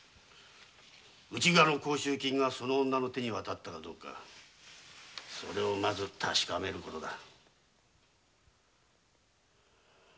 内蔵の甲州金がその女の手に渡ったかどうかそれをまず確かめる事だ。